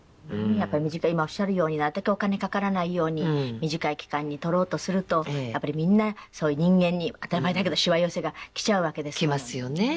今おっしゃるようになるたけお金かからないように短い期間に撮ろうとするとやっぱりみんなそういう人間に当たり前だけどしわ寄せがきちゃうわけですもんね。